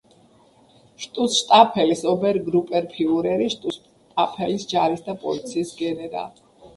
შუცშტაფელის ობერგრუპენფიურერი, შუცშტაფელის ჯარის და პოლიციის გენერალი.